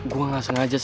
gua gak sengaja